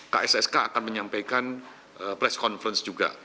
kssk akan menyampaikan press conference juga